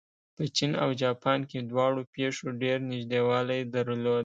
په چین او جاپان کې دواړو پېښو ډېر نږدېوالی درلود.